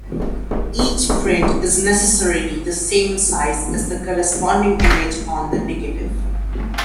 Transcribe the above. Each print is necessarily the same size as the corresponding image on the negative.